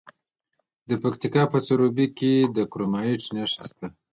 د پکتیکا په سروبي کې د کرومایټ نښې شته.